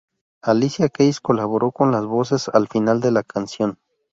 Alicia Keys colaboró con las voces al final de la canción.